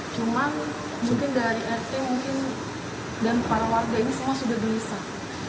cuman mungkin dari rt mungkin dan para warga ini semua sudah gelisah